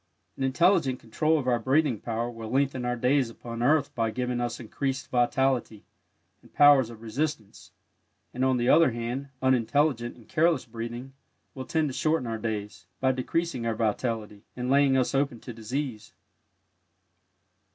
An intelligent control of our breathing power will lengthen our days upon earth by giving us increased vitality and powers of resistance, and, on the other hand, unintelligent and careless breathing will tend to shorten our days, by decreasing our vitality and laying us open to disease.